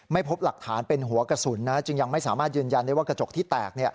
พบหลักฐานเป็นหัวกระสุนจึงยังไม่สามารถยืนยันได้ว่ากระจกที่แตก